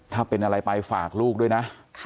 ถ้าเป็นอะไรไปฝากลูกด้วยนะ